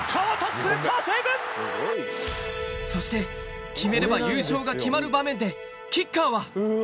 そして、決めれば優勝が決まる場面で、キッカーは。